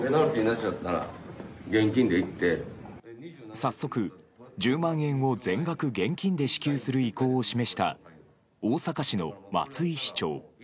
早速１０万円を全額現金で支給する意向を示した大阪市の松井市長。